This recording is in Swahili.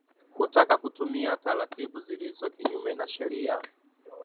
kutaka kutumia taratibu zilizo kinyume na sheria